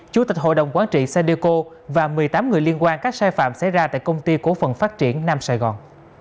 chủ tịch hội đồng quán trị sedeco và một mươi tám người liên quan các sai phạm xảy ra tại công ty cố phận phát triển nam sài gòn